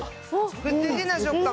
不思議な食感。